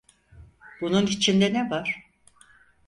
Bunun içinde ne var?